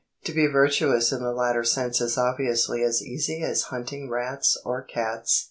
To be virtuous in the latter sense is obviously as easy as hunting rats or cats.